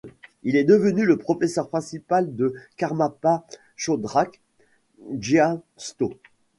Il est devenu le professeur principal du karmapa Chödrak Gyatso.